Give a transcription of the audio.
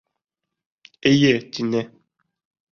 Эйе, тине.